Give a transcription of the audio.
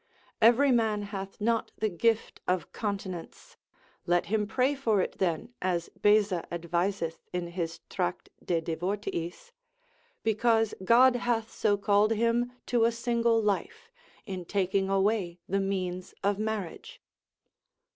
Every man hath not the gift of continence, let him pray for it then, as Beza adviseth in his Tract de Divortiis, because God hath so called him to a single life, in taking away the means of marriage.